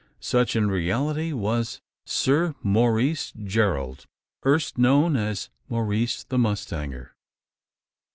Such, in reality, was Sir Maurice Gerald erst known as Maurice the mustanger!